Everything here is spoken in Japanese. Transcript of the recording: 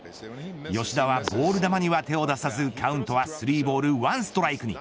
吉田はボール球には手を出さずカウントは３ボール１ストライクに。